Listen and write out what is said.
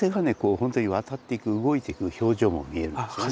本当に渡っていく動いていく表情も見えるんですよね。